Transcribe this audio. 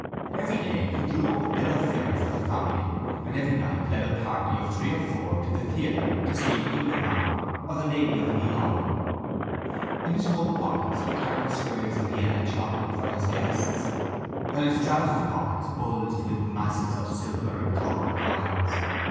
Every day he drew up a bill of fare for the family and every night led a party of three or four to the theatre to see Ingomar or The Lady of Lyons. In his coat pockets he carried squares of Vienna chocolate for his guests while his trousers' pocket bulged with masses of silver and copper coins.